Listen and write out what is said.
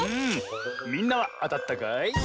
みんなはあたったかい？